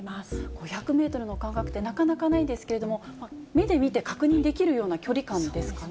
５００メートルの感覚ってなかなかないですけれども、目で見て確認できるような距離感ですかね。